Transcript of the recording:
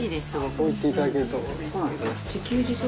そう言っていただけると嬉しいです。